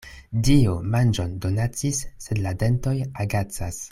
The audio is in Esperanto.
Dio manĝon donacis, sed la dentoj agacas.